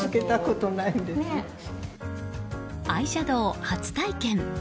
アイシャドウ初体験。